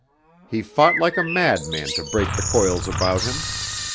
He fought like a madman to break the coils about him.